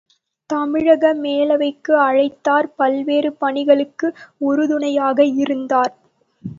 தமிழக மேலவைக்கு அழைத்தார் பல்வேறு பணிகளுக்கு உறுதுணையாக இருந்தார்.